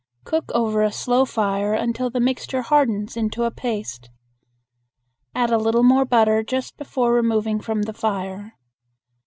Cook over a slow fire until the mixture hardens into a paste. Add a little more butter just before removing from the fire.